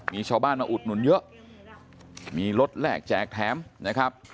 มีชาวบ้านมาอุดหนุนเยอะมีรถแลกแจกแถมนะครับ